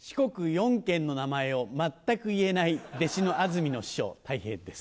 ４県の名前を全く言えない弟子のあずみの師匠たい平です。